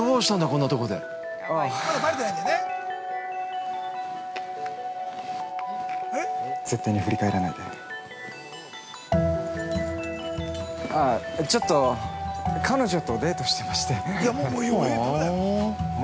こんなところで◆絶対振り返らないでいや、ちょっと彼女とデートしてまして◆